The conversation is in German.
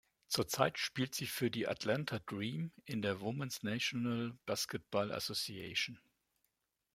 Zurzeit spielt sie für die Atlanta Dream in der Women’s National Basketball Association.